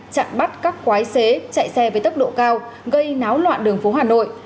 chặn bắt các quái xế chạy xe với tốc độ cao gây náo loạn đường phố hà nội